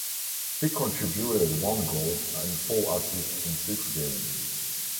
He contributed one goal and four assists in six games.